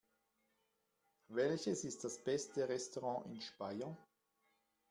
Welches ist das beste Restaurant in Speyer?